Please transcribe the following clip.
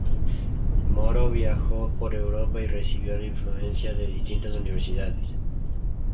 Moro viajó por Europa y recibió la influencia de distintas universidades.